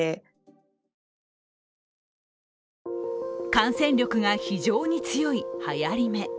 感染力が非常に強い、はやり目。